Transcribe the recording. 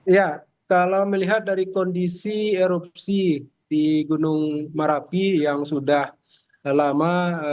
ya kalau melihat dari kondisi erupsi di gunung merapi yang sudah lama